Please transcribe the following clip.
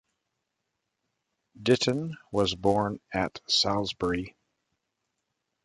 Ditton was born at Salisbury.